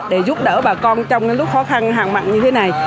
để giúp đỡ bà con trong cái lúc khó khăn hàng mặn như thế này